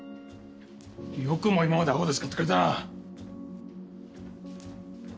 よくも今まであごで使ってくれたな！